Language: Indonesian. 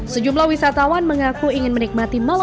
sejumlah wisatawan mengaku ingin menikmati malam